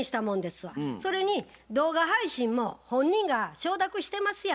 それに動画配信も本人が承諾してますや。